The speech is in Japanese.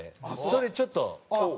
それちょっと。